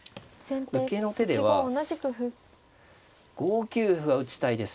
受けの手では５九歩は打ちたいです。